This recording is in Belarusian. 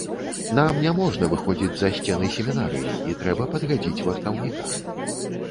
Нам няможна выходзіць за сцены семінарыі і трэба падгадзіць вартаўніка.